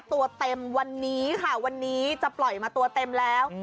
ตัวเต็มวันนี้ค่ะวันนี้จะปล่อยมาตัวเต็มแล้ว